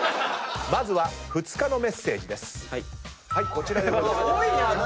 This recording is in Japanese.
こちらです。